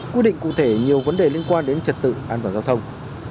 quy định cụ thể nhiều vấn đề liên quan đến trật tự an toàn giao thông